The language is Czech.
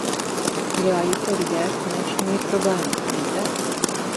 Dělají to lidé s finančními problémy, víte?